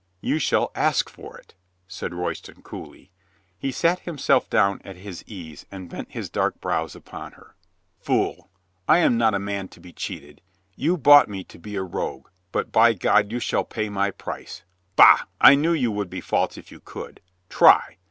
You shall ask for it," said Royston coolly. He sat himself down at his ease and bent his dark brows upon her. "Fool, I am not a man to be cheated. You bought me to be a rogue, but by God you shall pay my price. Bah, I knew you would be false if you could. Try.